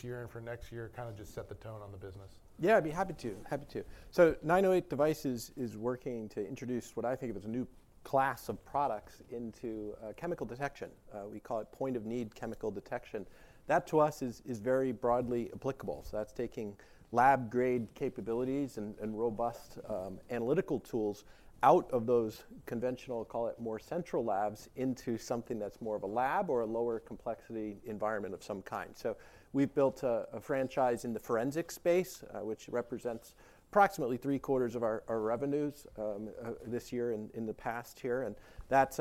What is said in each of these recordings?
This year and for next year, kind of just set the tone on the business? Yeah, I'd be happy to. Happy to. So 908 Devices is working to introduce what I think of as a new class of products into chemical detection. We call it point-of-need chemical detection. That, to us, is very broadly applicable. So that's taking lab-grade capabilities and robust analytical tools out of those conventional, call it more central labs, into something that's more of a lab or a lower complexity environment of some kind. So we've built a franchise in the forensic space, which represents approximately three-quarters of our revenues this year and in the past year. And that's,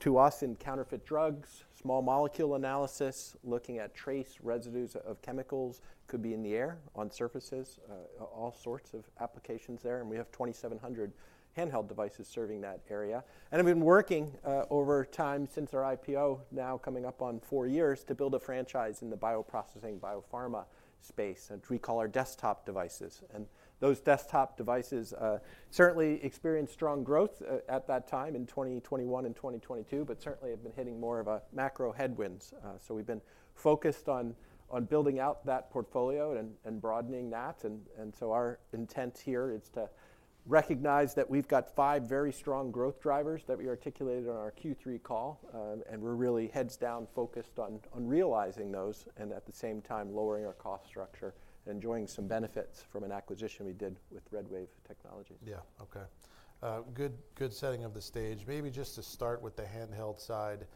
to us, in counterfeit drugs, small molecule analysis, looking at trace residues of chemicals that could be in the air, on surfaces, all sorts of applications there. And we have 2,700 handheld devices serving that area. We've been working over time since our IPO, now coming up on four years, to build a franchise in the bioprocessing biopharma space, which we call our desktop devices. Those desktop devices certainly experienced strong growth at that time in 2021 and 2022, but certainly have been hitting more of a macro headwinds. We've been focused on building out that portfolio and broadening that. Our intent here is to recognize that we've got five very strong growth drivers that we articulated on our Q3 call. We're really heads down focused on realizing those and, at the same time, lowering our cost structure and enjoying some benefits from an acquisition we did with RedWave Technology. Yeah. Okay. Good setting of the stage. Maybe just to start with the handheld side,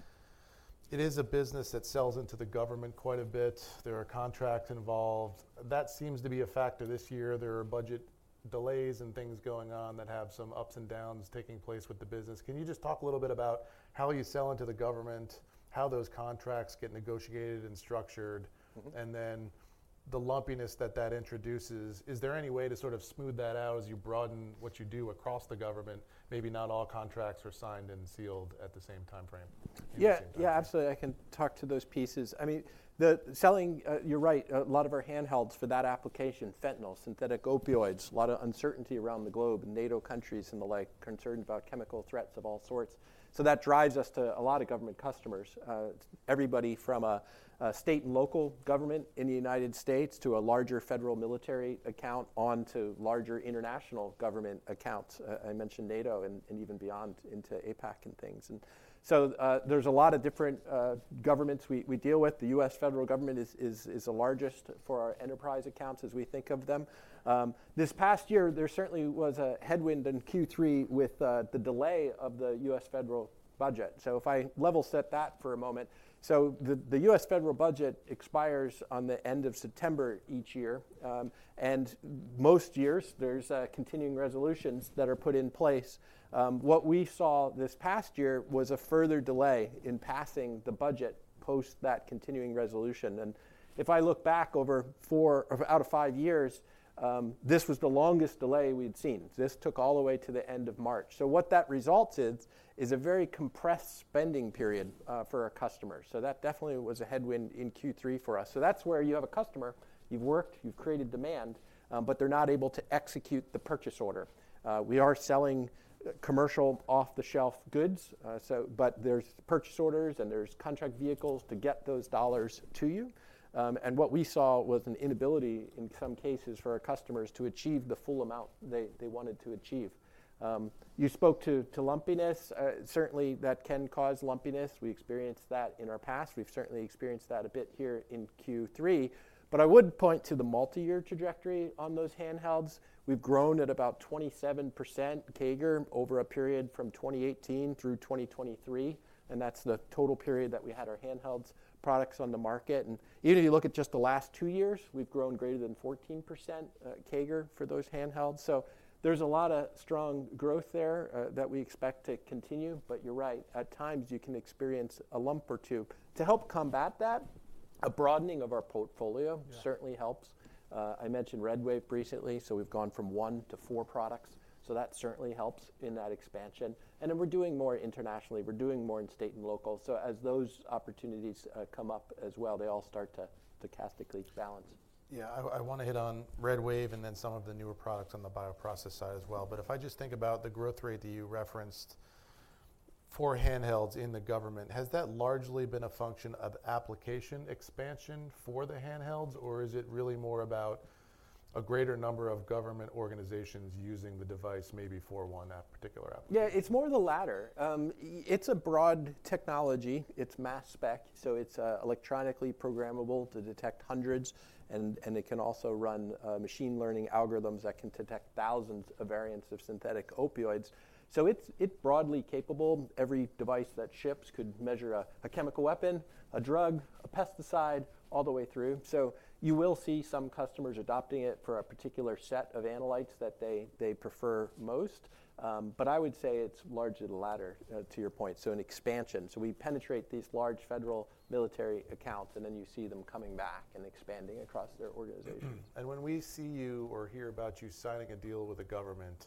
it is a business that sells into the government quite a bit. There are contracts involved. That seems to be a factor this year. There are budget delays and things going on that have some ups and downs taking place with the business. Can you just talk a little bit about how you sell into the government, how those contracts get negotiated and structured, and then the lumpiness that that introduces? Is there any way to sort of smooth that out as you broaden what you do across the government? Maybe not all contracts are signed and sealed at the same timeframe? Yeah. Yeah, absolutely. I can talk to those pieces. I mean, selling, you're right, a lot of our handhelds for that application, fentanyl, synthetic opioids, a lot of uncertainty around the globe, NATO countries and the like, concerned about chemical threats of all sorts. So that drives us to a lot of government customers, everybody from a state and local government in the United States to a larger federal military account and to larger international government accounts. I mentioned NATO and even beyond into APAC and things. And so there's a lot of different governments we deal with. The U.S. federal government is the largest for our enterprise accounts as we think of them. This past year, there certainly was a headwind in Q3 with the delay of the U.S. federal budget. So if I level set that for a moment, the U.S. federal budget expires on the end of September each year. And most years, there's continuing resolutions that are put in place. What we saw this past year was a further delay in passing the budget post that continuing resolution. And if I look back over four or out of five years, this was the longest delay we'd seen. This took all the way to the end of March. So what that resulted is a very compressed spending period for our customers. So that's where you have a customer, you've worked, you've created demand, but they're not able to execute the purchase order. We are selling commercial off-the-shelf goods, but there's purchase orders and there's contract vehicles to get those dollars to you. What we saw was an inability in some cases for our customers to achieve the full amount they wanted to achieve. You spoke to lumpiness. Certainly, that can cause lumpiness. We experienced that in our past. We've certainly experienced that a bit here in Q3. I would point to the multi-year trajectory on those handhelds. We've grown at about 27% CAGR over a period from 2018 through 2023. That's the total period that we had our handhelds products on the market. Even if you look at just the last two years, we've grown greater than 14% CAGR for those handhelds. There's a lot of strong growth there that we expect to continue. You're right, at times you can experience a lump or two. To help combat that, a broadening of our portfolio certainly helps. I mentioned RedWave recently, so we've gone from one to four products. So that certainly helps in that expansion. And then we're doing more internationally. We're doing more in state and local. So as those opportunities come up as well, they all start to stochastically balance. Yeah. I want to hit on RedWave and then some of the newer products on the bioprocess side as well. But if I just think about the growth rate that you referenced for handhelds in the government, has that largely been a function of application expansion for the handhelds, or is it really more about a greater number of government organizations using the device maybe for one particular application? Yeah, it's more the latter. It's a broad technology. It's mass spec. So it's electronically programmable to detect hundreds. And it can also run machine learning algorithms that can detect thousands of variants of synthetic opioids. So it's broadly capable. Every device that ships could measure a chemical weapon, a drug, a pesticide, all the way through. So you will see some customers adopting it for a particular set of analytes that they prefer most. But I would say it's largely the latter, to your point, so an expansion. So we penetrate these large federal military accounts, and then you see them coming back and expanding across their organization. When we see you or hear about you signing a deal with the government,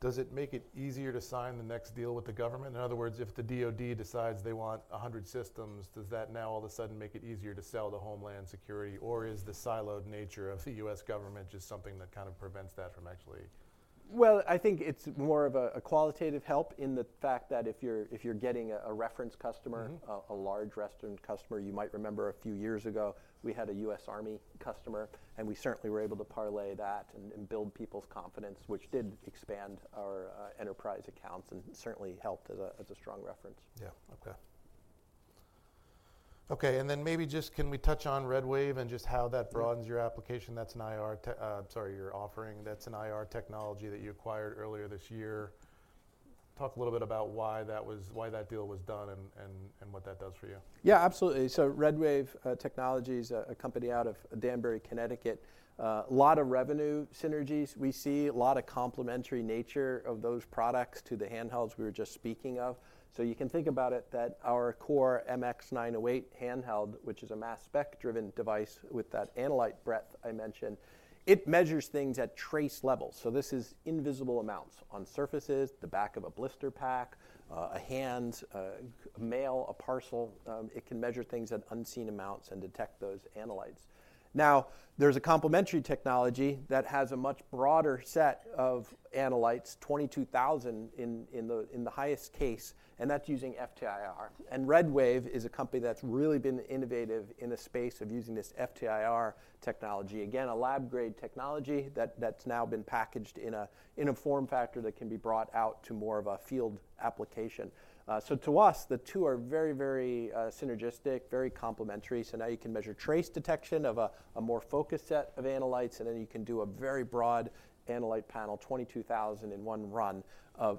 does it make it easier to sign the next deal with the government? In other words, if the DOD decides they want 100 systems, does that now all of a sudden make it easier to sell to Homeland Security, or is the siloed nature of the U.S. government just something that kind of prevents that from actually? I think it's more of a qualitative help in the fact that if you're getting a reference customer, a large Western customer, you might remember a few years ago we had a U.S. Army customer, and we certainly were able to parlay that and build people's confidence, which did expand our enterprise accounts and certainly helped as a strong reference. And then maybe just can we touch on RedWave and just how that broadens your application? That's an IR, sorry, your offering that's an IR technology that you acquired earlier this year. Talk a little bit about why that deal was done and what that does for you. Yeah, absolutely. So RedWave Technology is a company out of Danbury, Connecticut. A lot of revenue synergies. We see a lot of complementary nature of those products to the handhelds we were just speaking of. So you can think about it that our core MX908 handheld, which is a mass spec driven device with that analyte breadth I mentioned, it measures things at trace levels. So this is invisible amounts on surfaces, the back of a blister pack, a hand, a mail, a parcel. It can measure things at unseen amounts and detect those analytes. Now, there's a complementary technology that has a much broader set of analytes, 22,000 in the highest case, and that's using FTIR. And RedWave is a company that's really been innovative in the space of using this FTIR technology. Again, a lab-grade technology that's now been packaged in a form factor that can be brought out to more of a field application, so to us, the two are very, very synergistic, very complementary. So now you can measure trace detection of a more focused set of analytes, and then you can do a very broad analytes panel, 22,000 in one run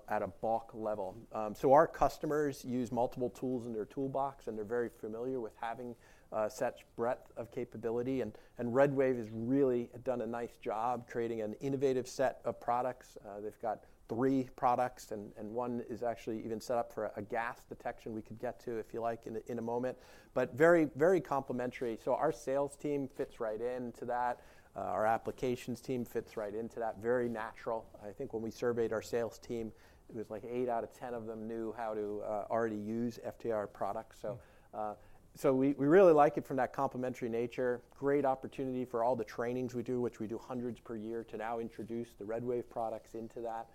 at a bulk level, so our customers use multiple tools in their toolbox, and they're very familiar with having such breadth of capability, and RedWave has really done a nice job creating an innovative set of products. They've got three products, and one is actually even set up for a gas detection we could get to, if you like, in a moment, but very, very complementary, so our sales team fits right into that. Our applications team fits right into that. Very natural. I think when we surveyed our sales team, it was like eight out of ten of them knew how to already use FTIR products. So we really like it from that complementary nature. Great opportunity for all the trainings we do, which we do hundreds per year to now introduce the RedWave products into that.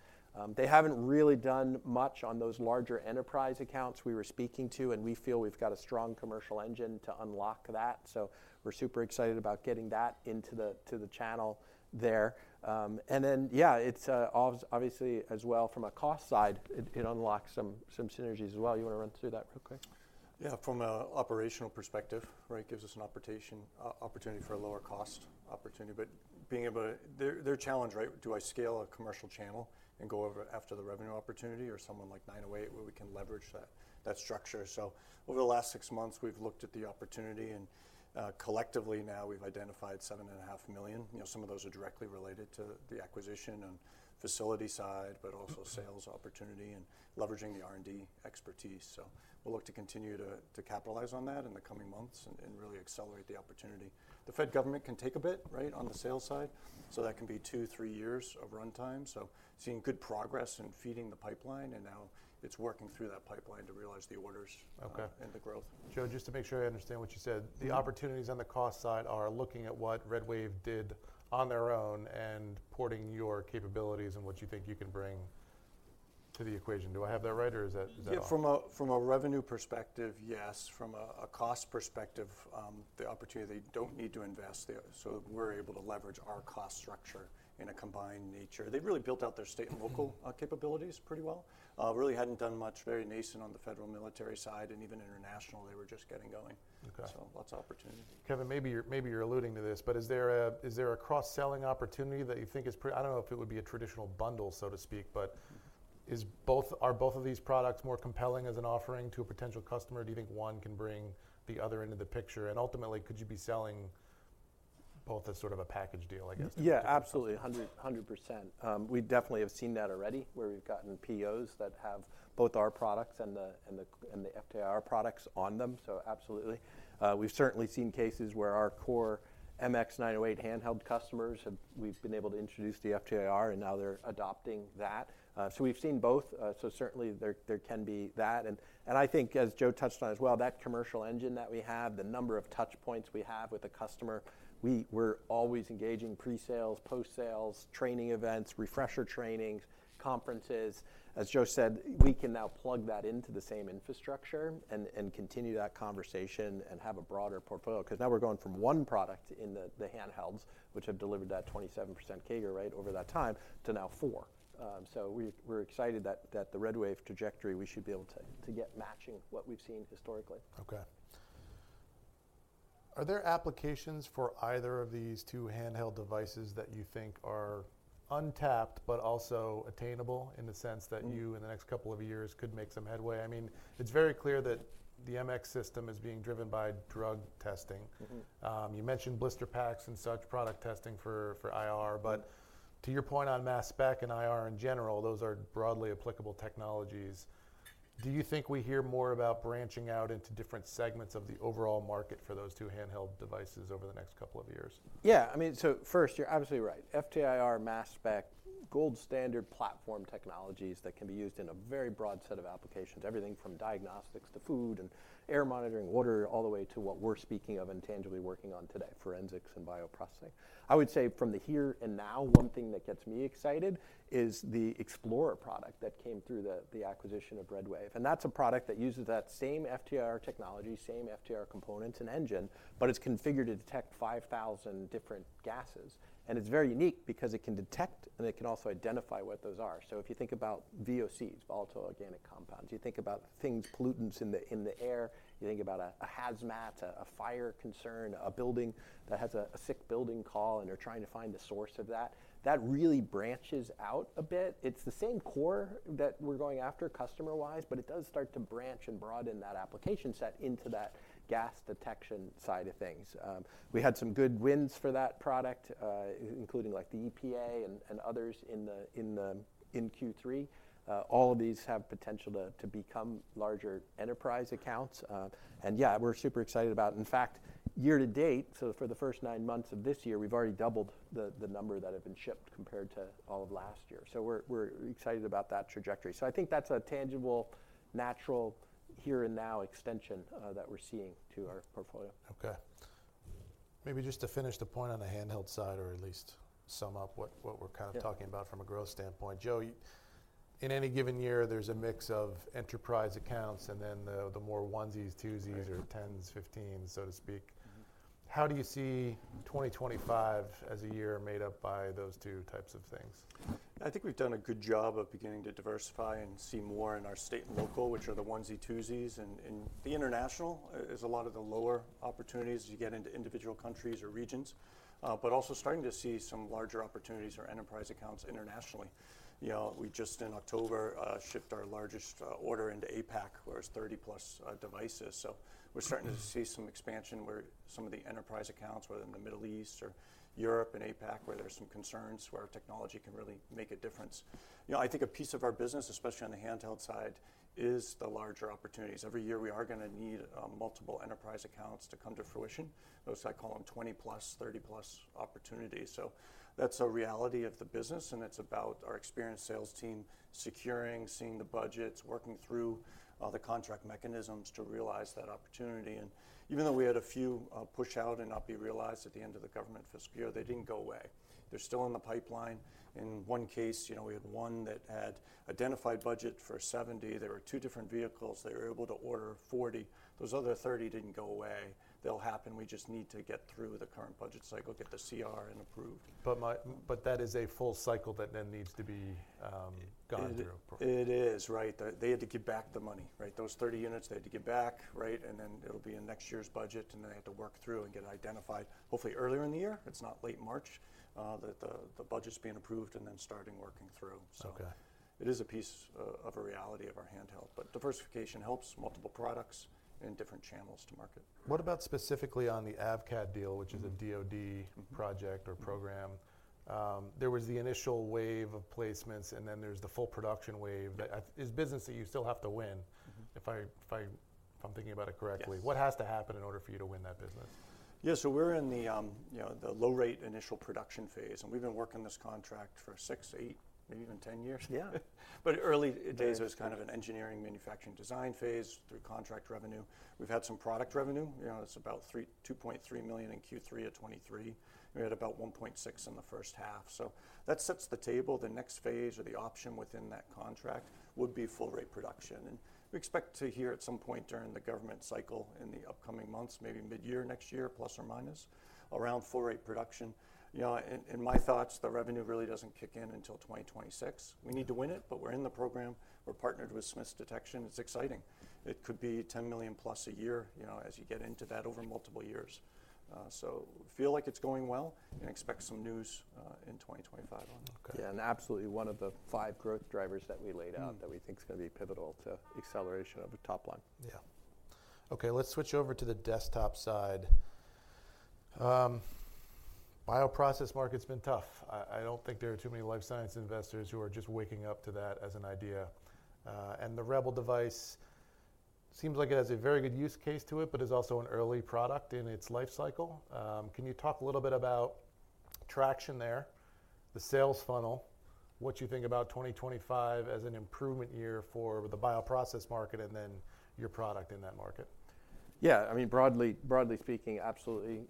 They haven't really done much on those larger enterprise accounts we were speaking to, and we feel we've got a strong commercial engine to unlock that. So we're super excited about getting that into the channel there. And then, yeah, it's obviously as well from a cost side, it unlocks some synergies as well. You want to run through that real quick? Yeah. From an operational perspective, right, it gives us an opportunity for a lower cost opportunity. But being able to, they're challenged, right? Do I scale a commercial channel and go over after the revenue opportunity or someone like 908 where we can leverage that structure? So over the last six months, we've looked at the opportunity, and collectively now we've identified $7.5 million. Some of those are directly related to the acquisition and facility side, but also sales opportunity and leveraging the R&D expertise. So we'll look to continue to capitalize on that in the coming months and really accelerate the opportunity. The Fed government can take a bit, right, on the sales side. So that can be 2-3 years of runtime. So seeing good progress in feeding the pipeline, and now it's working through that pipeline to realize the orders and the growth. Joe, just to make sure I understand what you said, the opportunities on the cost side are looking at what RedWave did on their own and porting your capabilities and what you think you can bring to the equation. Do I have that right, or is that off? Yeah. From a revenue perspective, yes. From a cost perspective, the opportunity. They don't need to invest. So we're able to leverage our cost structure in a combined nature. They've really built out their state and local capabilities pretty well. They really hadn't done much, very nascent on the federal military side and even international. They were just getting going. So lots of opportunity. Kevin, maybe you're alluding to this, but is there a cross-selling opportunity that you think is, I don't know if it would be a traditional bundle, so to speak, but are both of these products more compelling as an offering to a potential customer? Do you think one can bring the other into the picture? And ultimately, could you be selling both as sort of a package deal, I guess? Yeah, absolutely. 100%. We definitely have seen that already where we've gotten POs that have both our products and the FTIR products on them. So absolutely. We've certainly seen cases where our core MX908 handheld customers, we've been able to introduce the FTIR, and now they're adopting that. So we've seen both. So certainly there can be that. And I think, as Joe touched on as well, that commercial engine that we have, the number of touch points we have with a customer, we're always engaging pre-sales, post-sales, training events, refresher trainings, conferences. As Joe said, we can now plug that into the same infrastructure and continue that conversation and have a broader portfolio. Because now we're going from one product in the handhelds, which have delivered that 27% CAGR, right, over that time, to now four. So, we're excited that the RedWave trajectory, we should be able to get matching what we've seen historically. Okay. Are there applications for either of these two handheld devices that you think are untapped, but also attainable in the sense that you in the next couple of years could make some headway? I mean, it's very clear that the MX system is being driven by drug testing. You mentioned blister packs and such product testing for IR. But to your point on mass spec and IR in general, those are broadly applicable technologies. Do you think we hear more about branching out into different segments of the overall market for those two handheld devices over the next couple of years? Yeah. I mean, so first, you're absolutely right. FTIR, mass spec, gold standard platform technologies that can be used in a very broad set of applications, everything from diagnostics to food and air monitoring, water, all the way to what we're speaking of and tangibly working on today, forensics and bioprocessing. I would say from the here and now, one thing that gets me excited is the XplorIR product that came through the acquisition of RedWave. And that's a product that uses that same FTIR technology, same FTIR components and engine, but it's configured to detect 5,000 different gases. And it's very unique because it can detect and it can also identify what those are. So if you think about VOCs, volatile organic compounds, you think about things, pollutants in the air, you think about a hazmat, a fire concern, a building that has a sick building call and they're trying to find the source of that, that really branches out a bit. It's the same core that we're going after customer-wise, but it does start to branch and broaden that application set into that gas detection side of things. We had some good wins for that product, including like the EPA and others in Q3. All of these have potential to become larger enterprise accounts. And yeah, we're super excited about, in fact, year to date, so for the first nine months of this year, we've already doubled the number that have been shipped compared to all of last year. So we're excited about that trajectory. So I think that's a tangible, natural here and now extension that we're seeing to our portfolio. Okay. Maybe just to finish the point on the handheld side or at least sum up what we're kind of talking about from a growth standpoint. Joe, in any given year, there's a mix of enterprise accounts and then the more onesies, twosies, or tens, fifteens, so to speak. How do you see 2025 as a year made up by those two types of things? I think we've done a good job of beginning to diversify and see more in our state and local, which are the onesie, twosies, and the international is a lot of the lower opportunities as you get into individual countries or regions, but also starting to see some larger opportunities or enterprise accounts internationally. We just in October shipped our largest order into APAC, whereas 30-plus devices. We're starting to see some expansion where some of the enterprise accounts, whether in the Middle East or Europe and APAC, where there are some concerns where our technology can really make a difference. I think a piece of our business, especially on the handheld side, is the larger opportunities. Every year we are going to need multiple enterprise accounts to come to fruition. I call them 20-plus, 30-plus opportunities. So that's a reality of the business, and it's about our experienced sales team securing, seeing the budgets, working through the contract mechanisms to realize that opportunity. And even though we had a few push out and not be realized at the end of the government fiscal year, they didn't go away. They're still in the pipeline. In one case, we had one that had identified budget for 70. There were two different vehicles. They were able to order 40. Those other 30 didn't go away. They'll happen. We just need to get through the current budget cycle, get the CR and approved. But that is a full cycle that then needs to be gone through. It is, right? They had to give back the money, right? Those 30 units they had to give back, right? And then it'll be in next year's budget, and then they have to work through and get identified, hopefully earlier in the year. It's not late March that the budget's being approved and then starting working through. So it is a piece of a reality of our handheld. But diversification helps multiple products in different channels to market. What about specifically on the AVCAD deal, which is a DOD project or program? There was the initial wave of placements, and then there's the full production wave. Is business that you still have to win if I'm thinking about it correctly? What has to happen in order for you to win that business? Yeah. So we're in the low rate initial production phase, and we've been working this contract for six, eight, maybe even 10 years. Yeah. But early days, it was kind of an engineering, manufacturing, design phase through contract revenue. We've had some product revenue. It's about $2.3 million in Q3 of 2023. We had about $1.6 million in the first half. So that sets the table. The next phase or the option within that contract would be full rate production. And we expect to hear at some point during the government cycle in the upcoming months, maybe mid-year next year, plus or minus, around full rate production. In my thoughts, the revenue really doesn't kick in until 2026. We need to win it, but we're in the program. We're partnered with Smiths Detection. It's exciting. It could be $10 million plus a year as you get into that over multiple years. So, feel like it's going well and expect some news in 2025 on it. Yeah, and absolutely one of the five growth drivers that we laid out that we think is going to be pivotal to acceleration of a top line. Yeah. Okay. Let's switch over to the desktop side. Bioprocess market's been tough. I don't think there are too many life science investors who are just waking up to that as an idea. And the REBEL device seems like it has a very good use case to it, but is also an early product in its life cycle. Can you talk a little bit about traction there, the sales funnel, what you think about 2025 as an improvement year for the bioprocess market and then your product in that market? Yeah. I mean, broadly speaking, absolutely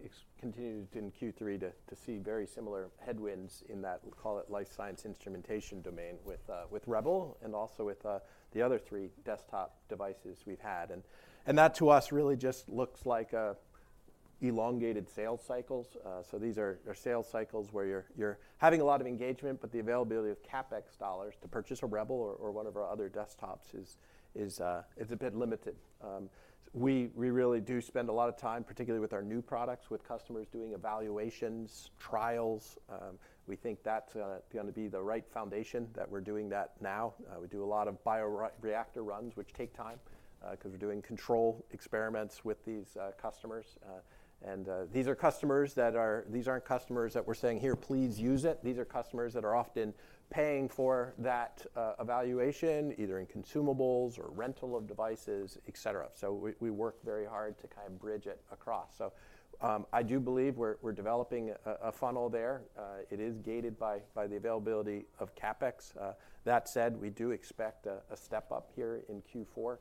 continued in Q3 to see very similar headwinds in that, call it life science instrumentation domain with REBEL and also with the other three desktop devices we've had. And that to us really just looks like elongated sales cycles. So these are sales cycles where you're having a lot of engagement, but the availability of CapEx dollars to purchase a REBEL or one of our other desktops is a bit limited. We really do spend a lot of time, particularly with our new products, with customers doing evaluations, trials. We think that's going to be the right foundation that we're doing that now. We do a lot of bioreactor runs, which take time because we're doing control experiments with these customers. And these are customers that are, these aren't customers that we're saying here, please use it. These are customers that are often paying for that evaluation, either in consumables or rental of devices, etc. So we work very hard to kind of bridge it across. So I do believe we're developing a funnel there. It is gated by the availability of CapEx. That said, we do expect a step up here in Q4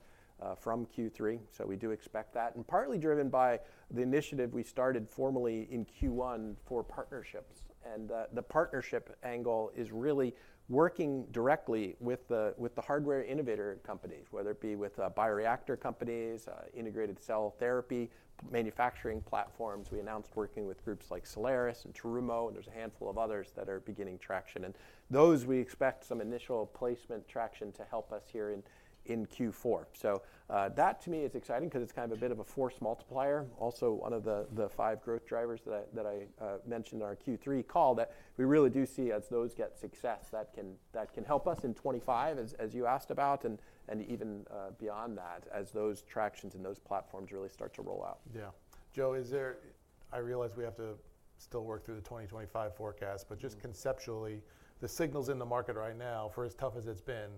from Q3. So we do expect that. And partly driven by the initiative we started formally in Q1 for partnerships. And the partnership angle is really working directly with the hardware innovator companies, whether it be with bioreactor companies, integrated cell therapy manufacturing platforms. We announced working with groups like Solaris and Terumo, and there's a handful of others that are beginning traction. And those we expect some initial placement traction to help us here in Q4. So that to me is exciting because it's kind of a bit of a force multiplier. Also, one of the five growth drivers that I mentioned in our Q3 call that we really do see as those get success that can help us in 2025, as you asked about, and even beyond that as those tractions and those platforms really start to roll out. Yeah. Joe, is there? I realize we have to still work through the 2025 forecast, but just conceptually, the signals in the market right now, for as tough as it's been,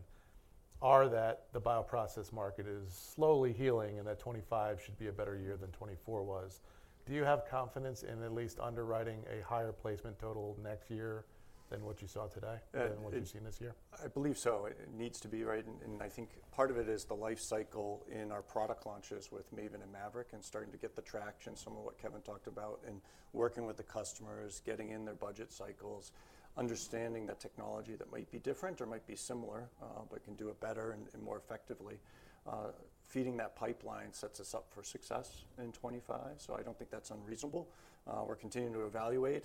are that the bioprocess market is slowly healing and that 2025 should be a better year than 2024 was. Do you have confidence in at least underwriting a higher placement total next year than what you saw today, than what you've seen this year? I believe so. It needs to be right, and I think part of it is the life cycle in our product launches with MAVEN and MAVERICK and starting to get the traction, some of what Kevin talked about, and working with the customers, getting in their budget cycles, understanding that technology that might be different or might be similar, but can do it better and more effectively. Feeding that pipeline sets us up for success in 2025, so I don't think that's unreasonable. We're continuing to evaluate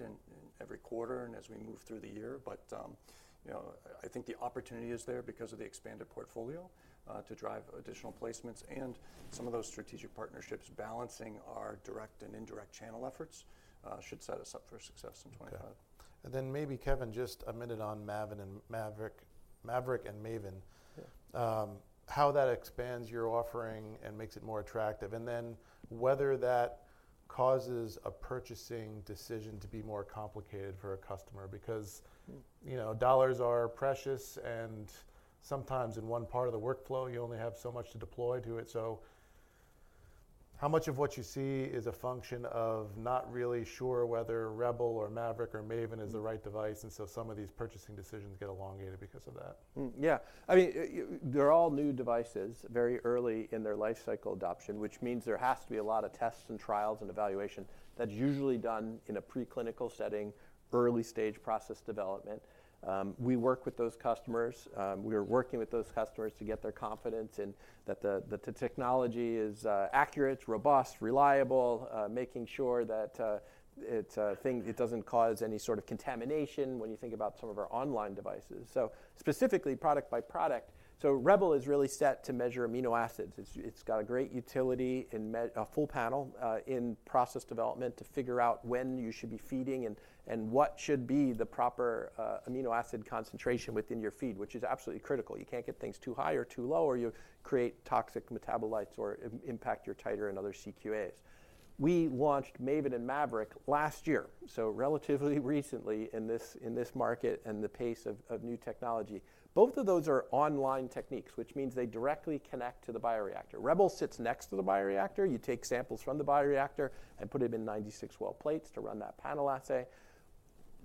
every quarter and as we move through the year, but I think the opportunity is there because of the expanded portfolio to drive additional placements and some of those strategic partnerships balancing our direct and indirect channel efforts should set us up for success in 2025. And then maybe Kevin just a minute on MAVEN and MAVERICK, MAVERICK and MAVEN, how that expands your offering and makes it more attractive. And then whether that causes a purchasing decision to be more complicated for a customer. Because dollars are precious and sometimes in one part of the workflow, you only have so much to deploy to it. So how much of what you see is a function of not really sure whether Rebel or MAVERICK or MAVEN is the right device and so some of these purchasing decisions get elongated because of that? Yeah. I mean, they're all new devices, very early in their life cycle adoption, which means there has to be a lot of tests and trials and evaluation. That's usually done in a preclinical setting, early stage process development. We work with those customers. We are working with those customers to get their confidence in that the technology is accurate, robust, reliable, making sure that it doesn't cause any sort of contamination when you think about some of our online devices. So specifically product by product. So REBEL is really set to measure amino acids. It's got a great utility in a full panel in process development to figure out when you should be feeding and what should be the proper amino acid concentration within your feed, which is absolutely critical. You can't get things too high or too low or you create toxic metabolites or impact your titer and other CQAs. We launched Maven and Maverick last year, so relatively recently in this market and the pace of new technology. Both of those are online techniques, which means they directly connect to the bioreactor. REBEL sits next to the bioreactor. You take samples from the bioreactor and put it in 96-well plates to run that panel assay.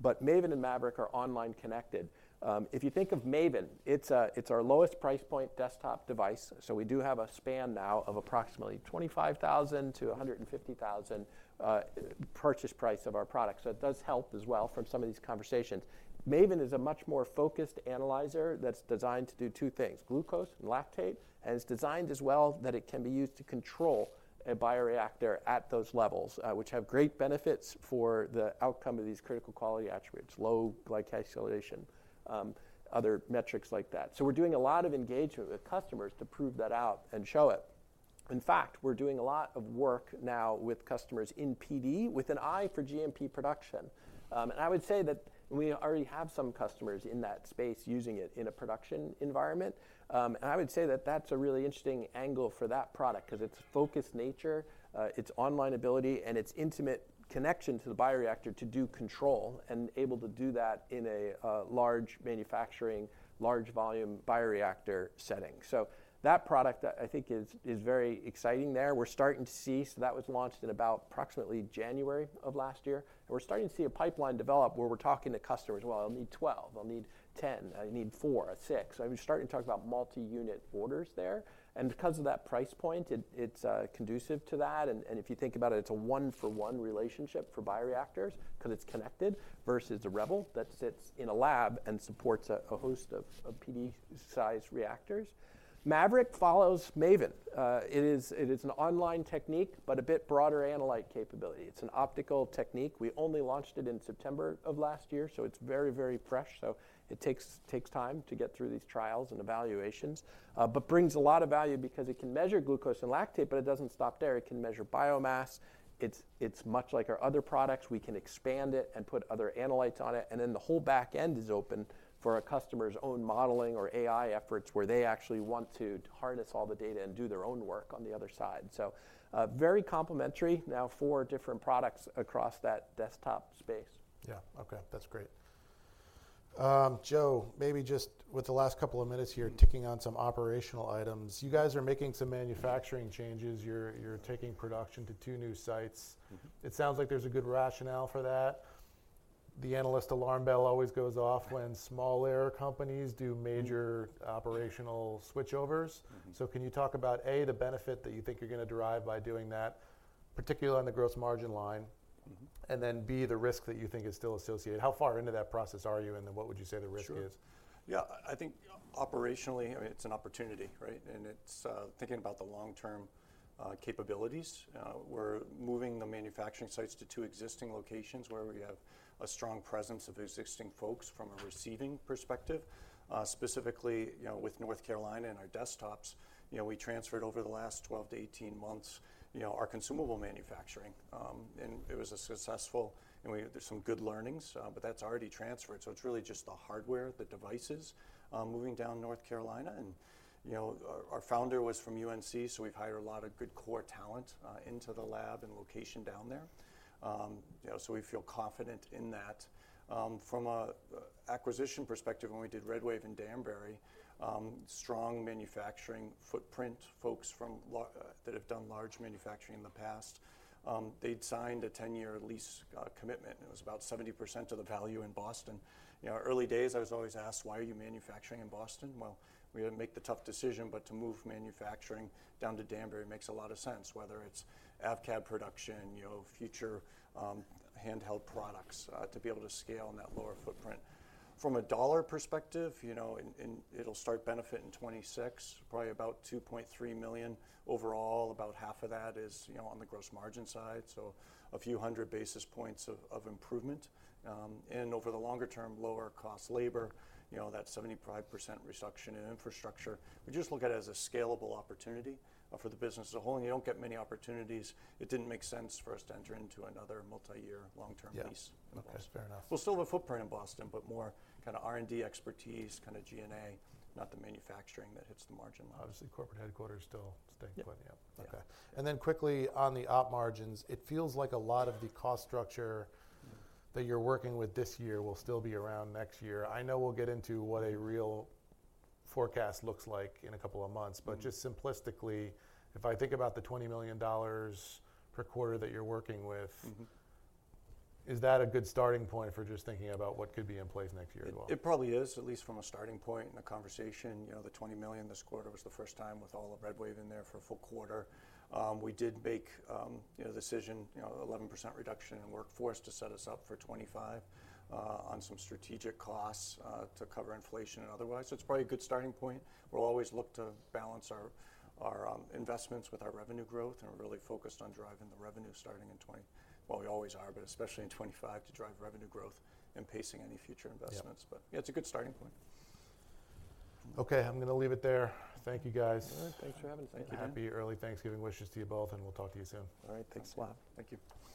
But Maven and Maverick are online connected. If you think of Maven, it's our lowest price point desktop device. So we do have a span now of approximately $25,000-$150,000 purchase price of our product. So it does help as well from some of these conversations. MAVEN is a much more focused analyzer that's designed to do two things, glucose and lactate, and it's designed as well that it can be used to control a bioreactor at those levels, which have great benefits for the outcome of these critical quality attributes, low glycation acceleration, other metrics like that. So we're doing a lot of engagement with customers to prove that out and show it. In fact, we're doing a lot of work now with customers in PD with an eye for GMP production. And I would say that we already have some customers in that space using it in a production environment. And I would say that that's a really interesting angle for that product because its focused nature, its online ability, and its intimate connection to the bioreactor to do control and able to do that in a large manufacturing, large volume bioreactor setting. That product I think is very exciting there. We're starting to see, so that was launched in about approximately January of last year. We're starting to see a pipeline develop where we're talking to customers, well, I'll need 12, I'll need 10, I need four, six. I'm starting to talk about multi-unit orders there. Because of that price point, it's conducive to that. If you think about it, it's a one-for-one relationship for bioreactors because it's connected versus a REBEL that sits in a lab and supports a host of PD-sized reactors. MAVERICK follows MAVEN. It is an online technique, but a bit broader analyte capability. It's an optical technique. We only launched it in September of last year, so it's very, very fresh. So it takes time to get through these trials and evaluations, but brings a lot of value because it can measure glucose and lactate, but it doesn't stop there. It can measure biomass. It's much like our other products. We can expand it and put other analytes on it. And then the whole back end is open for a customer's own modeling or AI efforts where they actually want to harness all the data and do their own work on the other side. So very complementary now for different products across that desktop space. Yeah. Okay. That's great. Joe, maybe just with the last couple of minutes here, touching on some operational items. You guys are making some manufacturing changes. You're taking production to two new sites. It sounds like there's a good rationale for that. The analyst alarm bell always goes off when small-cap companies do major operational switchovers. So can you talk about, A, the benefit that you think you're going to derive by doing that, particularly on the gross margin line, and then B, the risk that you think is still associated? How far into that process are you and then what would you say the risk is? Sure. Yeah. I think operationally, I mean, it's an opportunity, right? And it's thinking about the long-term capabilities. We're moving the manufacturing sites to two existing locations where we have a strong presence of existing folks from a receiving perspective. Specifically with North Carolina and our desktops, we transferred over the last 12 to 18 months our consumable manufacturing. And it was a successful, and there's some good learnings, but that's already transferred. So it's really just the hardware, the devices moving down North Carolina. And our founder was from UNC, so we've hired a lot of good core talent into the lab and location down there. So we feel confident in that. From an acquisition perspective, when we did RedWave in Danbury, strong manufacturing footprint, folks that have done large manufacturing in the past. They'd signed a 10-year lease commitment. It was about 70% of the value in Boston. early days, I was always asked, why are you manufacturing in Boston? Well, we had to make the tough decision, but to move manufacturing down to Danbury makes a lot of sense, whether it's AVCAD production, future handheld products to be able to scale in that lower footprint. From a dollar perspective, it'll start benefiting 2026, probably about $2.3 million overall. About half of that is on the gross margin side. So a few hundred basis points of improvement. And over the longer term, lower cost labor, that 75% reduction in infrastructure. We just look at it as a scalable opportunity for the business as a whole. And you don't get many opportunities. It didn't make sense for us to enter into another multi-year long-term lease. Yeah. Okay. Fair enough. We'll still have a footprint in Boston, but more kind of R&D expertise, kind of G&A, not the manufacturing that hits the margin line. Obviously, corporate headquarters still staying put. Yeah. Okay. And then quickly on the op margins, it feels like a lot of the cost structure that you're working with this year will still be around next year. I know we'll get into what a real forecast looks like in a couple of months, but just simplistically, if I think about the $20 million per quarter that you're working with, is that a good starting point for just thinking about what could be in place next year as well? It probably is, at least from a starting point and a conversation. The $20 million this quarter was the first time with all of RedWave in there for a full quarter. We did make a decision, 11% reduction in workforce to set us up for 2025 on some strategic costs to cover inflation and otherwise. So it's probably a good starting point. We'll always look to balance our investments with our revenue growth and we're really focused on driving the revenue starting in 2020, well, we always are, but especially in 2025 to drive revenue growth and pacing any future investments. But yeah, it's a good starting point. Okay. I'm going to leave it there. Thank you, guys. All right. Thanks for having us. Thank you. Happy early Thanksgiving wishes to you both, and we'll talk to you soon. All right. Thanks a lot. Thank you.